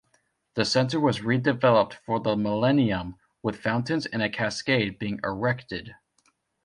The Centre was redeveloped for the millennium, with fountains and a cascade being erected.